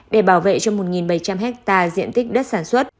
để bảo vệ cho một bảy trăm linh hectare diện tích đất sản xuất